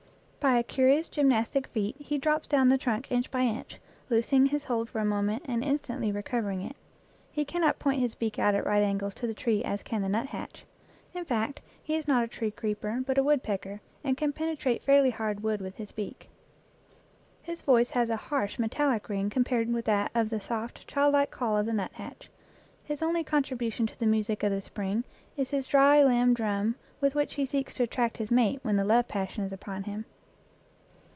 By a curious gymnastic feat he drops down the trunk inch by inch, loosing his hold for a moment and instantly recovering it. He cannot point his beak out at right angles to the tree as can the nuthatch. In fact, he is not a tree creeper, but a wood pecker, and can penetrate fairly hard wood with his beak. His voice has a harsh, metallic ring compared with that of the soft, child like call of the nuthatch. His only contribution to 54 EACH AFTER ITS KIND the music of the spring is his dry limb drum with which he seeks to attract his mate when the love passion is upon him.